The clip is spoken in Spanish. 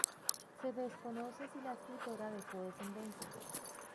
Se desconoce si la escritora dejó descendencia.